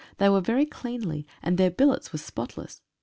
They were very cleanly, and their billets were spotless.